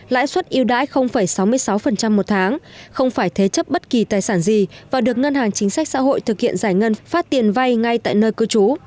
lãi suất yêu đãi sáu mươi sáu một tháng không phải thế chấp bất kỳ tài sản gì và được ngân hàng chính sách xã hội thực hiện giải ngân phát tiền vay ngay tại nơi cư trú